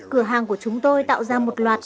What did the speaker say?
cửa hàng của chúng tôi tạo ra một loạt